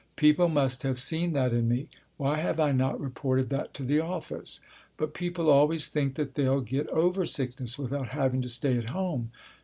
People must have seen that in me. Why have I not reported that to the office? But people always think that they'll get over sickness without having to stay at home.